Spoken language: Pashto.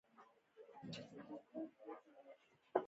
د چوغکو او اوبو په آوازونو